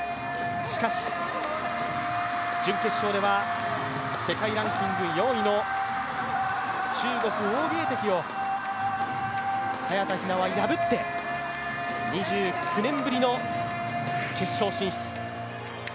しかし、準決勝では世界ランキング４位の中国・王ゲイ迪を早田ひなは破って２９年ぶりの決勝進出。